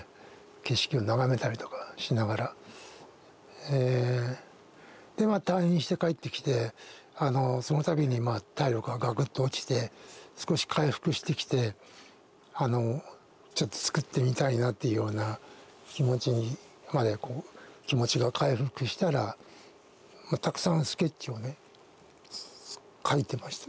景色を眺めたりとかしながらえで退院して帰ってきてその度に体力がガクッと落ちて少し回復してきてちょっと作ってみたいなっていうような気持ちにまで気持ちが回復したらたくさんスケッチをね書いてました。